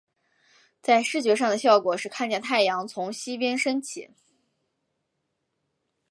在视觉上的效果是看见太阳从西边升起。